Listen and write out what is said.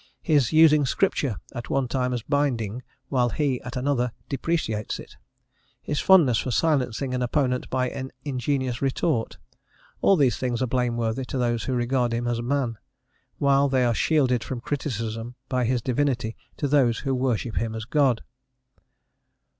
his using Scripture at one time as binding, while he, at another, depreciates it; his fondness for silencing an opponent by an ingenious retort: all these things are blameworthy to those who regard him as man, while they are shielded from criticism by his divinity to those who worship him as God.